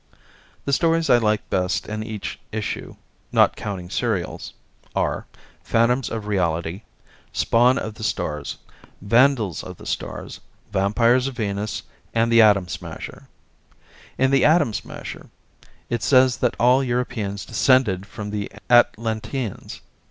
The stories I like best in each issue (not counting serials) are: "Phantoms of Reality," "Spawn of the Stars," "Vandals of the Stars," "Vampires of Venus" and "The Atom Smasher." In "The Atom Smasher" it says that all Europeans descended from the Atlanteans.